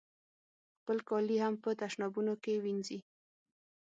خپل کالي هم په تشنابونو کې وینځي.